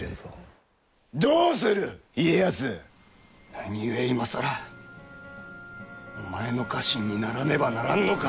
何故今更お前の家臣にならねばならんのか！